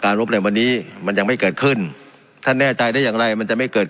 รบเร็ววันนี้มันยังไม่เกิดขึ้นท่านแน่ใจได้อย่างไรมันจะไม่เกิด